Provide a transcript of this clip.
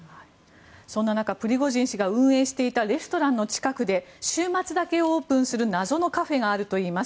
そんな中プリゴジン氏が運営していたレストランの近くで週末だけオープンする謎のカフェがあるといいます。